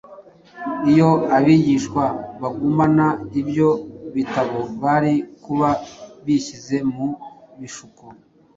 Iyo abigishwa bagumana ibyo bitabo bari kuba bishyize mu bishuko;